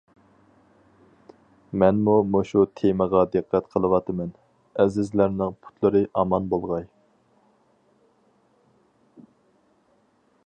مەنمۇ مۇشۇ تېمىغا دىققەت قىلىۋاتىمەن، ئەزىزلەرنىڭ پۇتلىرى ئامان بولغاي.